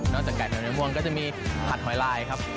จากไก่ม่วงก็จะมีผัดหอยลายครับ